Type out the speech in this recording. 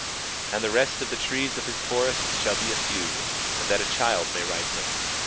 20:19 And the rest of the trees of his forest shall be few, that a child may write them.